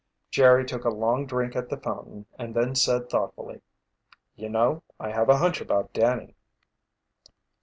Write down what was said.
Jerry took a long drink at the fountain and then said thoughtfully: "You know, I have a hunch about Danny."